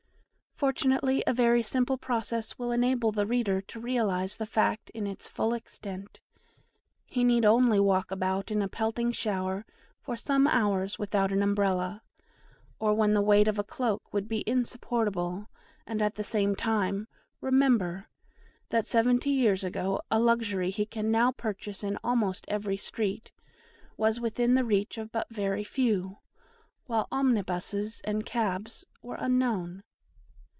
Fortunately a very simple process will enable the reader to realise the fact in its full extent; he need only walk about in a pelting shower for some hours without an Umbrella, or when the weight of a cloak would be insupportable, and at the same time remember that seventy years ago a luxury he can now purchase in almost every street, was within the reach of but very few, while omnibuses and cabs were unknown.